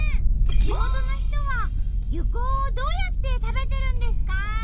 地元の人は柚香をどうやって食べてるんですか？